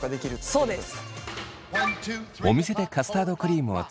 そうです。